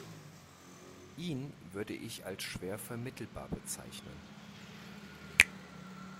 Ihn würde ich als schwer vermittelbar bezeichnen.